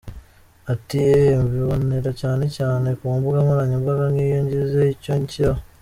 Ati :”Eeeeh mbibonera cyane cyane ku mbuga nkoranyambaga nk’iyo ngize icyo nshyiraho.